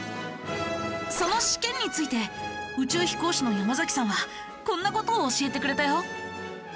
その試験について宇宙飛行士の山崎さんはこんな事を教えてくれたよ。